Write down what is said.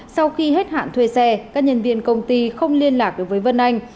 sau khi hết hạn thuê xe các nhân viên công ty không liên lạc được với vân anh